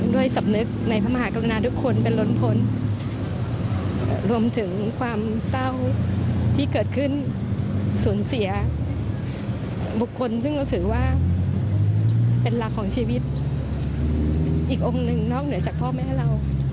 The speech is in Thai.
ด้วยสำนึกในพระมหากรุณาทุกคนเป็นล้นพ้นรวมถึงความเศร้าที่เกิดขึ้นสูญเสียบุคคลซึ่งเราถือว่าเป็นหลักของชีวิตอีกองค์หนึ่งนอกเหนือจากพ่อแม่เรา